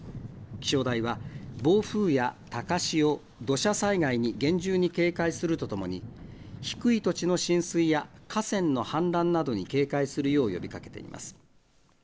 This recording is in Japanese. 気象台は暴風や高潮、土砂災害に厳重に警戒するとともに、低い土地の浸水や河川の氾濫などに警戒するよう呼びかけています。